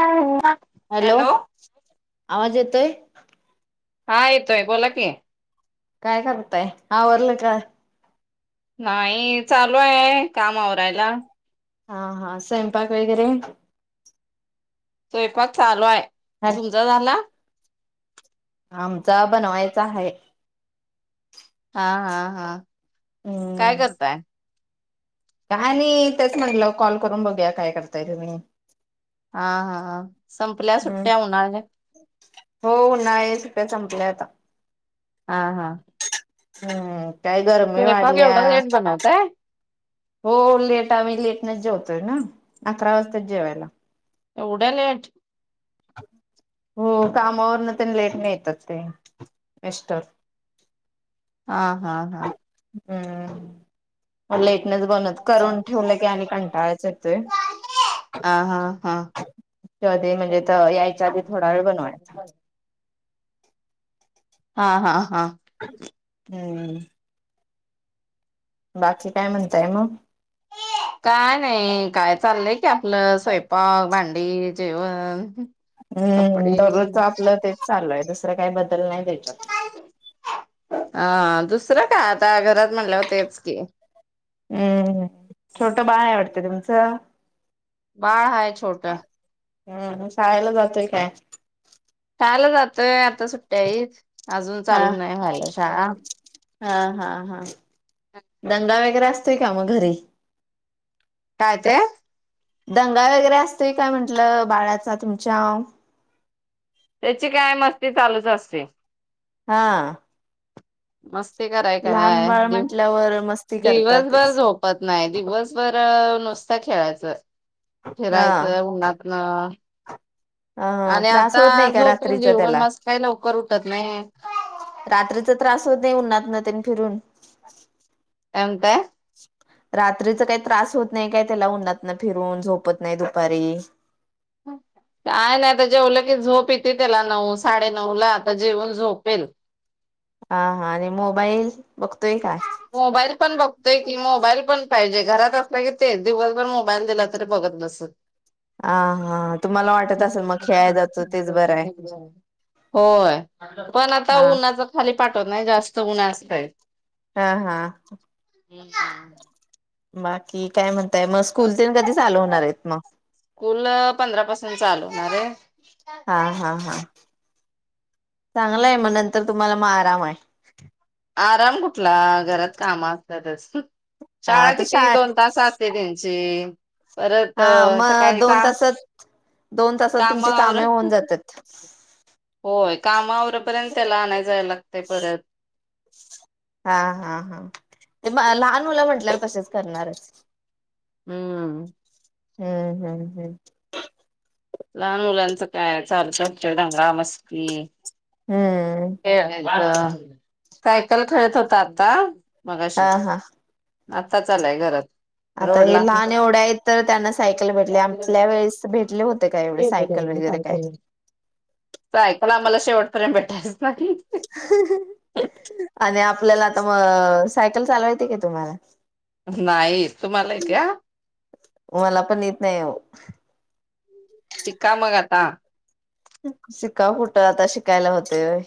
आवो हॅलो आवाज येतोय हा येतोय बोला की काय करताय आवरलं का. नाही चालू आहे काम आवररायला. हा हा स्वयंपाक वगैरे स्वयंपाक चालू आहे. तुमचा झाला आमचा बनवायचा आहे. हा हा हा काय करताय आणि तेच म्हटलं कॉल करून बघूया काय करताय तुम्ही हा हा संपल्या हम् सुट्ट्या उन्हाळ्या हो उन्हाळी सुट्ट्या संपल्या आता हम त पग एवढा एट बनवतांय हो लेट आम्ही लेटनेच जेवतोय ना अकरा वाजताच जेवायला एवढं लेट हो कामावर न त्यां लेट नाही येतात ते बस्र हा हा हा हम् प बन हा करून ठेवलं की आणि कंटाळाच येत हा आ म्हणजे यायच्या आधी थोडा वेळ बनवायचा हा हा हा हम्म बाकी काय म्हणताय मग काय नाही काय चाललंय की आपलं स्वयंपाक भांडी जेवण हम्म दररोज कपडे आपलं तेच चालू आहे दुसरं काय बद्दल नाही त्याच्यात अ दुसरं का आता घरात म्हणले होतेच की हम्म छोट बाळ आवडतं तुमचं बाळ हाय छोटा हा शाळेला जातोय काय शाळेला जातय आता सुट्ट्या आहे अजून हा चालू नाही व्हालं शाळा हा हा हा दंगा वगैरे [unintelligible] काम घरी काय ते? दंगा वगै असतय काय म्हटलं बाळा चा तुमच्या? त्याची काय मस्ती चालूच असतेय. हां. मस्त. ते कराया काय दिवस म्हटल्यावर मस्ती दिवसभर करतातच झोपत नाय, दिवसभर अ नुस्तं खेळायचं अस हा फिरायचं उन्हातन. हा आणि त्रास आत्ता होत नाही का झोपून रात्रीचा दिऊ पण त्याला मग स काय लवकर उठतं नाय. तो देऊन नात न तेन फिरून. अं काय? रात्रीच काही त्रास होत नाही काय त्याला? उन्हांतन फिरून झोपत नाही दुपारी. काय नाही आता जेवलं की झोप येते त्याला, नऊ साडे नऊ ला आता जेवून झोपेल. आ हां आणि मोबाईल बघ मोबाईल पण बघ ते की मोबाईल पण पाहिजे घरात असल की, तेच दिवसभर मोबाईल दिला तर बघत बसल. हा हा तुम्हाला वाटत असेल मग खेळाय जातो तेच बरं आहे [unintelligible] होय पण आता हा उन्हाच खाली पाठवत नाही जास्त उन्ह असतंय. हां हां. बाकी काय म म स्कूल तेन कधी चालू होणार आहेत म. स्कूल पंधरा पासून चालू होणार आहे. हां हां हां. चांगलंय म नंतर तुम्हाला म आराम आय. आराम कुठला घरात काम असत्यातच. हा शाळा तर किती शाळ दोन तास आसते त्यांची. परत हा अ मग सकाळी दोन का तासात दोन तासात काम तुमची कामे आवरत होऊन जातात होय काम आवरे पर्यंत त्याला आणाया जायला लागतंय परत. हां हां हां ते म लहान मुलं म्हंटल्यावर तशेच करणारच. हम्म. हम्म हम्म हम्म. लहान मुलांचं काय चालूच राहत्यो दंगा मस्ती. हम्म. अ सायकल खेळत होता आत्ता. हां हां. आत्ताच आलाय घरांत. आता हे लहान एवढं आहेत तर त्यांना सायकल भेटले आपल्या वेळेस भेटले होते. का एवढे सायकल वगैरे काय काय? त्याला आम्हाला शेवटपर्यंत भेटायचय. [inaudible] आणि आपल्याला आता मग सायकल चालवायला येते का तुम्हाला? नाही तुम्हाला येत्या? मला पण येत नाही. शिका मग आता! शिकाव कुठं आता शिकायला होतय होय.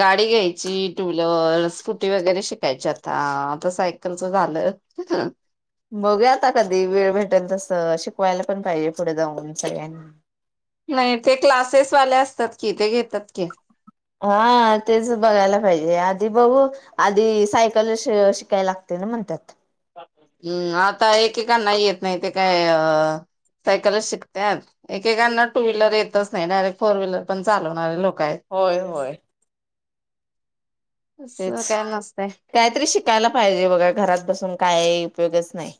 गाडी घ्यायची टू व्हीलर स्कुटी वगैरे शिकायची आता आता सायकलच झालं [inaudible] बघूया आता कधी वेळ भेटेल तसं शिकवायला पण पाहिजे पुढे जाऊन सगळ्यांना. नाही ते क्लासेसवाल्या अस ते घेतात की ते घेतात की. हा तेच बघायला पाहिजे आ आधी बघू आधी सायकल शी शिकायला लागतय ना म्हणत्यात. हम् आता एकेकांना येत नाही ते काय सायकलचं शिकत्यात, एकेकांना टू व्हीलर येतच नाही ना फोर व्हीलर पण चालवणारी लोक. आहेत. होय होय. तेच असं काय नसतंय कायतरी शिकायला पाहिजे बघा घरात बसून काही उपयोगच नाही.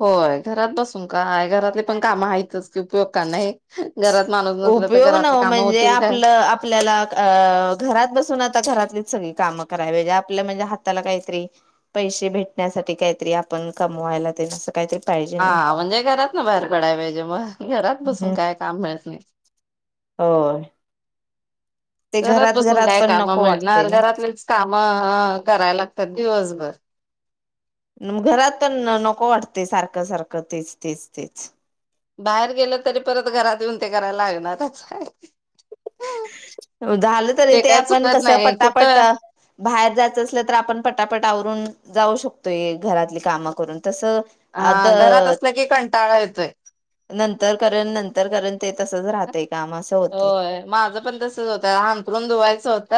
होय घरात बसून काय घरातले पण काम आहेतच का नाही. घरात माणूस नसलं तर उपयोग न घरातली कामं म्हणजे होतील काय आपलं आपल्याला अ घरात बसून आता घरातलीच सगळी काम करावी आपल्या म्हणजे हाताला काहीतरी पैसे भेटण्यासाठी काहीतरी आपण कमवायला त्याच्या अस काहीतरी पाहिजे ना हा म्हणजे घरातन बाहेर पडायला पाहिजे मग घरात बसून काय काम मिळत नाही. हो. घरात बसून काय काम नको वाटते मिळणार ना घरातलेच कामं कराया लागतात दिवसभर घरात पण नको वाटते सारखं सारखं तेच तेच तेच बाहेर गेलं तरी परत घरात येऊन ते करायला लागणारच. झालं तरी ते काय आपण चुकत कसं नाही पटापट कुठं बाहेर जायचं असलं तर आपण पटापट आवरून जाऊ शकतोय घरातली कामं करून तसं हा घरात अ असलं की कंटाळा येतोय. नंतर करन नंतर करन ते तसंच राहतंय. होय माझं पण तस तसंच होतं आंथरून धुवायचं होत.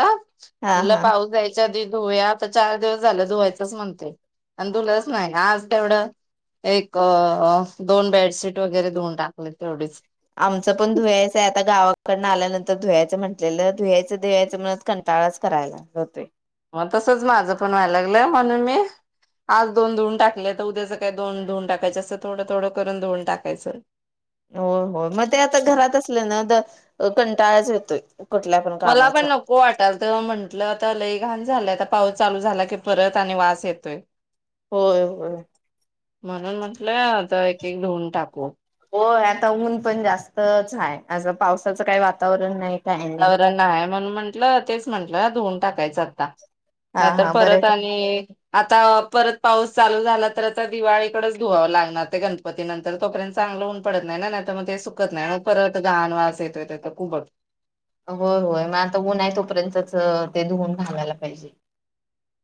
हा म्हणलं हा पाऊस यायच्या आधी धुयात. चार दिवस झालं धुवायचंच म्हणते आणि धुलंच नाही आज तेवढं एक दोन बेड सीट वगैरे धुऊन टाकले. तेवढीच आमचं पण धुयाचय आता गावा कडन आल्यानंतर धुवायचं म्हटलेलं धुयायचं धुवायचं म्हणत कंटाळाच करायला होतय. मग तसंच माझं पण व्हायला लागलं म्हणून मी आज दोन धुवून टाकले आता उद्या सकाळी काही दोन धुून टाकायच असं थोडं थोडं करून धुवून टाकायचं. हो हो मग ते आता घरात असलं ना तर अ कंटाळच येतोय. कुठल्या पण मला कामाचा पण नको वाटालत पण म्हंटलं आता लई घाण झालंय आता पाऊस चालू झाला की परत आणि वास येतोय. होय होय. म्हणून म्हटलंय आता एक एक धुवून टाकू. होय आता ऊन पण जास्तच आहे असं पावसाचं काही वातावरण नाही. काही नाही वातावरण आहे म्हणून म्हंटलं तेच म्हंटलं धुऊन टाकायचं आता हा नाहीतर हा बरं परत आणि आता परत पाऊस चालू झाला तर आता दिवाळीकडच धुवावं लागणार ते गणपती नंतर तोपर्यंत चांगलं ऊन पडत नाही ना नाहीतर मग ते सुकत नाही मग परत घाण वास येतोय त्याचा कुबट होय होय मग आता ऊन आहे तोपर्यंतच ते धुवून घालायला पाहिजे.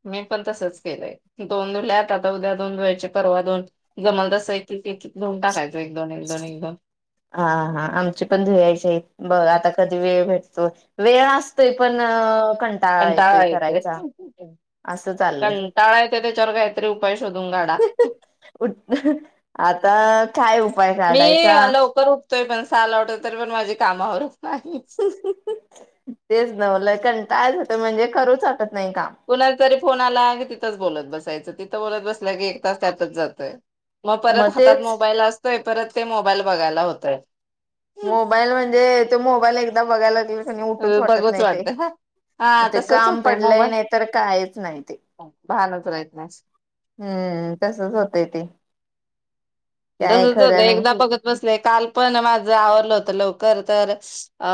मी पण तसच केलंय दोन धुल्यात आता उद्या दोन धुवायची परवा दोन जमल तसं एक एक धुऊन टाकायच्या एक दोन एक दोन हा हा आमची पण धुयायची बघ आता कधी वेळ भेटतो वेळ असतो ते पण कंटाळा टा येतोय ते करायचा असं चाललंयठ उपाय शोधून काढा आता काय उपाय मी काढायचा लवकर उठतोय पण साला उठथो तरी पण माझे कामावर तेच ना मला क काय होतं म्हणजे करूच हो कुणा जरी फोन आला की तिथच बोलत बसायचंिथ बोलत बसला की एक तास त्यातच जातय मग परत हातात मोबाईल असतोय परत ते मोबाईल बघायला होतय मोबाईल म्हणजे ते मोबाईल एकदा बघायला लागेल उठच वाटत बघूच नाही ते वाटतंय हा ते तसच काम होतंय पडलंय मोबाईल नाही तर कायच नाही ते भानच राहत नाही. हम्म तसच होतंय ते काय तसच होत खरं नाही एकदा बघत बसलेय काल पण माझ जर आवरलं होत लवकर तर अ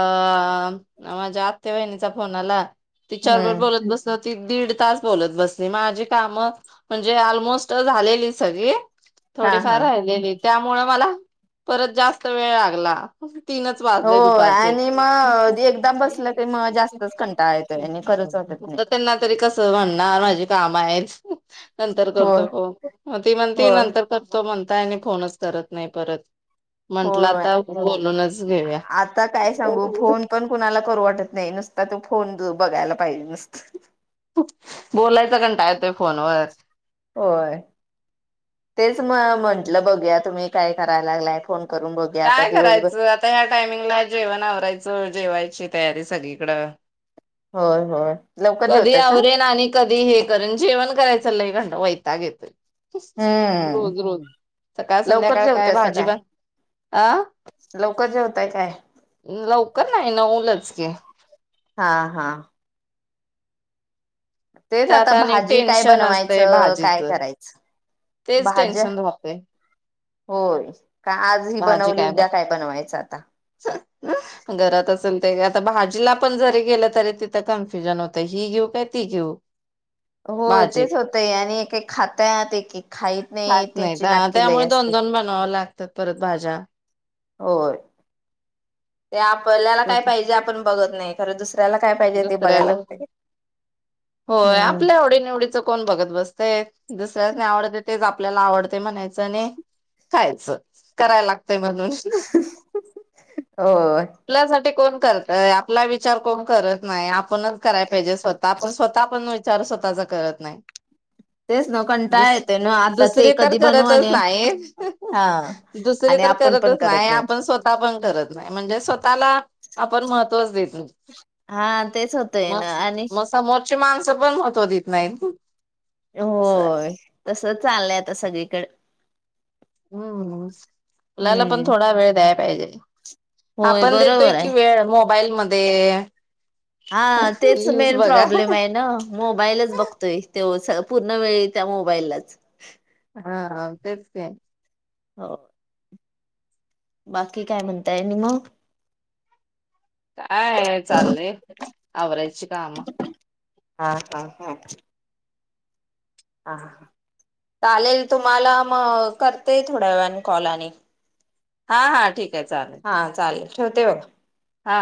माझ्या आत्ते बहिणीचा फोन आला ती चार वर हम्म बोलत बसत त दीड तास बोलत बसली माझी कामं म्हणजे ऑलमोस्ट झालेली सगळी हा थोडे फार हा आहेत त्यामुळे मला परत जास्त वेळ लागला तीनच हो वाजले दुपारचे आणि मग एकदा बसलं की मग जास्तच कंटाळा येतोय आणि खरंच वाटत नाही. आता त्यांना तरी कस म्हणणार माझे काम आहे नंतर होय करतो प मग ती म्हणते होय नंतर करतो म्हण आता आणि फोनच करत नाही परत हो म्हंटलं आता बोलूनच घेऊया. आता काय सांगू फोन पण कुणाला करू वाटत नाही नसत आता तू फोन बघायला पाहिजे नसत बोलायचं कंटाळा येतोय फोनवर होय तेच म म्हटलं बघूया तुम्ही काय करायला लागलाय करून बघूया आता काय दिवसभर करायचं आता ह्या टायमिंगला जेवण आवरायचं जेवायची तयार आहे सगळीकडं होय होय लवकर कधी जेवतासा आवरेन आणि कधी हे करेन जेवण करायचं ल क वैत घेत हम्म रोज रोज सकाळ लवकर संध्याकाळ काय जेवतासा भाजी पण अ होताय काय लवकर नाही नऊलच क हा हा तेच त्यात आता आणि भाजी काय टेन्शन असतंय बनवायचं काय भाजीचं. करायचं तेच भाज्या टेन्शन राहतंय होय का आज ही भाजी बनवली बन उद्या काय बनवायचं आता घरात असेल आता भाजीला पण जरी गेलं तरी तिथं कन्फ्युजन होतं ही घेऊ का ती घेऊ होय भाजी तेच होतय आणि एकेका खातय आणी खात नाही का त्यामुळे दोन असते दोन बनवावं लागत परत भाज्या होय. ते आपल्याला काय पाहिजे, आपण बघत नाही. खरंच असं दुसऱ्याला, होय हम्म आपल्या आवडी निवडीच कोण बघत बसतय, दुसऱ्यांना आवडतय तेच आपल्याला आवडतय म्हणायचं. चने खायल करायला आपल्यासाठी होय कोण करतय आपला विचार कोण करत नाही आपणच कराय पाहिजे स्वतः आपण स्वतः पण विचार स्वतःचा करत नाही. तेच ना कंटाळा दुस येतोय ना आता ते दुसरी तर कधी बनवू करतच आणि नाही, हा दुसरी आणि तर आपण पण करतच करत नाही आपण स्वतः पण करत नाही, म्हणजे स्वतःला आपण महत्त्वच देतो. [inaudible] हा तेच होतंय ना आणि ते माणसं पण महत्व देत नाहीत असं आहे होय, तस चाललंय आता सगळीकडे. मुलाला पण हम्म थोडा वेळ द्या पाहिजे. होय आपण देतोय बरोबर की आहे वेळ मो मोबाईलमध्ये हा तेच मेन प्रॉब्लेम आहे ना मोबाईलच बघतोय तो पूर्ण वेळी त्या मोबाईललाच हा तेच की हो बाकी काय म्हणताय आणी मग. काय चाललंय आवरायची काम हा हा हा ह चालेल तुम्हाला मग करते थोड्या वेळने कॉल आणि हा हा ठीक आहे चालेल हा चालेल ठेवतेय बघ हा.